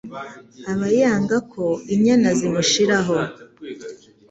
aba yanga ko inyana zimushiraho